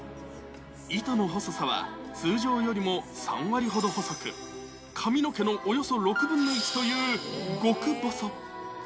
糸の細さは通常よりも３割ほど細く、髪の毛のおよそ６分の１という、極細。